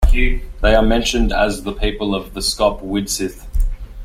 They are mentioned as the people of the scop Widsith.